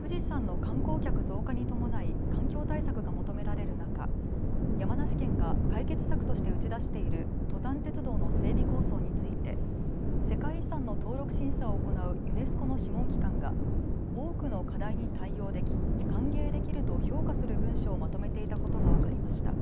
富士山の観光客増加に伴い環境対策が求められる中、山梨県が解決策として打ち出している登山鉄道の整備構想について世界遺産の登録審査を行うユネスコの諮問機関が多くの課題に対応でき歓迎できると評価する文書をまとめていたことが分かりました。